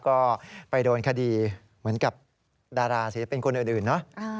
ก็ไปโดนคดีเหมือนกับดาราศิลปินคนอื่นเนอะ